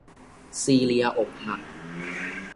ซีเลียอกหัก